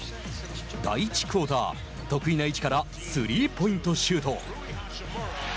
第１クオーター得意な位置からスリーポイントシュート。